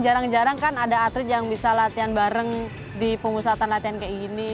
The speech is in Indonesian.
jarang jarang kan ada atlet yang bisa latihan bareng di pengusatan latihan kayak gini